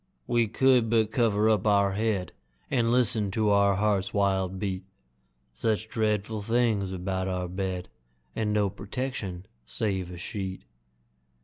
We could but cover up our head, And listen to our heart's wild beat Such dreadful things about our bed, And no protection save a sheet!